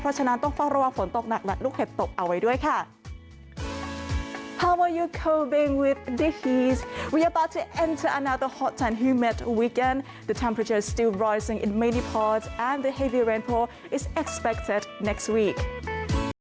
เพราะฉะนั้นต้องเฝ้าระวังฝนตกหนักและลูกเห็บตกเอาไว้ด้วยค่ะ